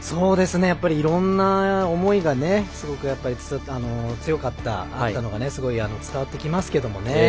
いろんな思いがすごく強かったものすごいすごい伝わってきますけどね。